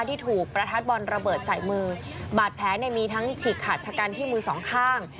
ที่ถูกประทัดบอลระเบิดใส่มือบาดแผลเนี่ยมีทั้งฉีกขาดชะกันที่มือสองข้าง